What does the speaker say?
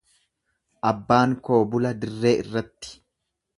Abbaan koo bula dirree irratti.